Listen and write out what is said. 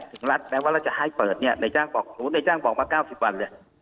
ถึงรัฐแม้ว่าเราจะให้เปิดเนี่ยในจ้างบอกมา๙๐วันเลย